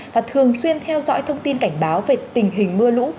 và thường xuyên theo dõi thông tin cảnh báo về tình hình mưa lũ